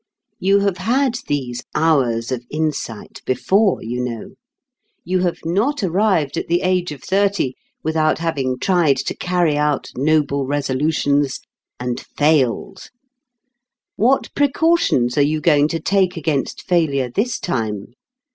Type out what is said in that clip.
You have had these "hours of insight" before, you know. You have not arrived at the age of thirty without having tried to carry out noble resolutions and failed. What precautions are you going to take against failure this time?